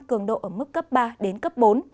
cường độ ở mức cấp ba đến cấp bốn